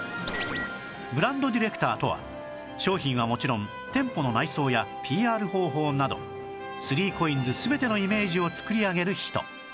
ブランドディレクターとは商品はもちろん店舗の内装や ＰＲ 方法など ３ＣＯＩＮＳ 全てのイメージを作り上げる人